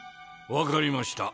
分かりました。